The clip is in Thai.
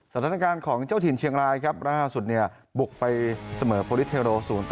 สถานการณ์ของเจ้าถิ่นเชียงรายครับล่าสุดเนี่ยบุกไปเสมอโปรลิสเทโร๐